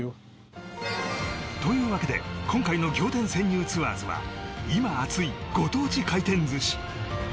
というわけで今回の『仰天☆潜入ツアーズ！』は今熱いご当地回転寿司